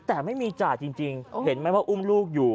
แต่ไม่มีจ่าจริงเห็นไหมว่าอุ้มลูกอยู่